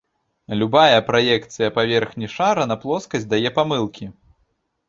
Любая праекцыя паверхні шара на плоскасць дае памылкі.